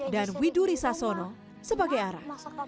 dan widuri sasono sebagai ara